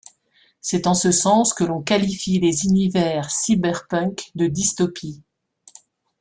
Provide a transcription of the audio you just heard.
C'est en ce sens que l'on qualifie les univers cyberpunk de dystopies.